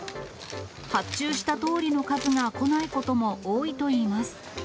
発注したとおりの数が来ないことも多いといいます。